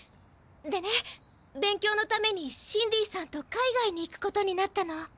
でね勉強のためにシンディさんと海外に行くことになったの。